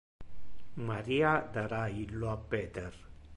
Maria dara illo a Peter.